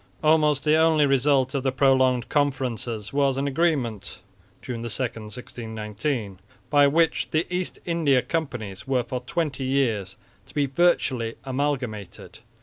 Almost the only result of the prolonged conferences was an agreement (June 2, 1619) by which the East India Companies were for twenty years to be virtually amalgamated.